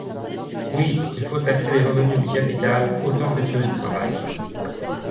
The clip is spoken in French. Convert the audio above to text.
Oui, il faut taxer les revenus du capital autant que ceux du travail.